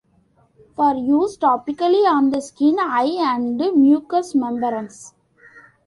For use topically on the skin, eye, and mucous membranes.